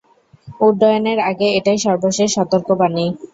উড্ডয়নের আগে এটাই সর্বশেষ সতর্কবাণী।